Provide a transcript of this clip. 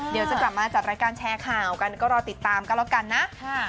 เดี๋ยวจะกลับมาจัดรายการแชร์ข่าวกันก็รอติดตามก็แล้วกันนะ